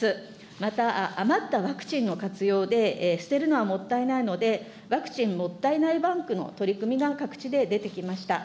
また、余ったワクチンの活用で、捨てるのはもったいないので、ワクチンもったいないバンクの取り組みが各地で出てきました。